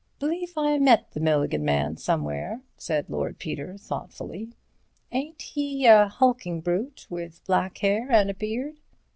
"B'lieve I met the Milligan man somewhere," said Lord Peter, thoughtfully; "ain't he a hulking brute with black hair and a beard?"